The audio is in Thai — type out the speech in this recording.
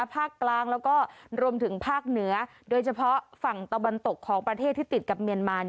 ภาคกลางแล้วก็รวมถึงภาคเหนือโดยเฉพาะฝั่งตะวันตกของประเทศที่ติดกับเมียนมา